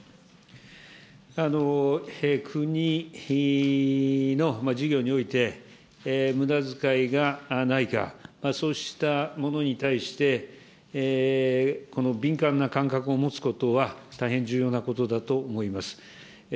国の事業において、むだづかいがないか、そうしたものに対して、敏感な感覚を持つことは大変重要なことだと思います。